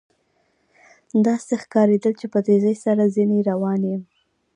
داسې ښکارېدل چې په تېزۍ سره ځنې روان یم.